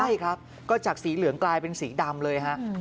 ใช่ครับก็จากสีเหลืองกลายเป็นสีดำเลยฮะ